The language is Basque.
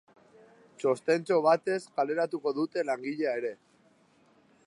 Txostentxo batez kaleratuko dute langilea ere.